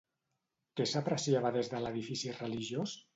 Què s'apreciava des de l'edifici religiós?